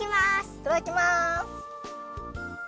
いただきます！